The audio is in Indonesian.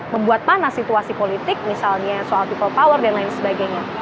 membuat panas situasi politik misalnya soal people power dan lain sebagainya